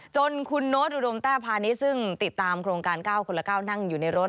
จนคุณโน้ตอุดมแต้พาณิชย์ซึ่งติดตามโครงการ๙คนละ๙นั่งอยู่ในรถ